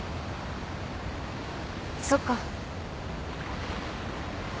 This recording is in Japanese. そっか。